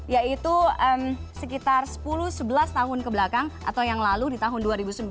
yaitu sekitar sepuluh sebelas tahun kebelakang atau yang lalu di tahun dua ribu sembilan